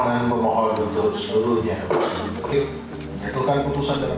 amal keputusan menghadiri menolak permohonan permohonan permohonan untuk seluruh negara